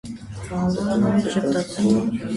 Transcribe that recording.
Բանվորը նորից ժպտաց: